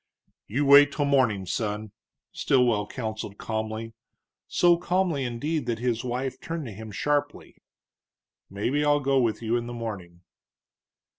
"You wait till morning, son," Stilwell counseled calmly, so calmly, indeed, that his wife turned to him sharply. "Maybe I'll go with you in the morning."